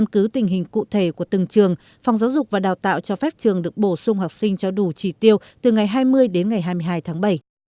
cụ thể của từng trường phòng giáo dục và đào tạo cho phép trường được bổ sung học sinh cho đủ chỉ tiêu từ ngày hai mươi đến ngày hai mươi hai tháng bảy